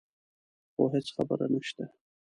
هو هېڅ خبره نه شته.